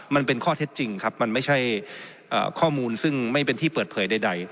มันเป็นข้อเท็จจริงครับมันไม่ใช่ข้อมูลซึ่งไม่เป็นที่เปิดเผยใด